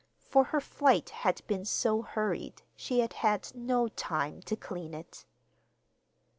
For her flight had been so hurried she had had no time to clean it.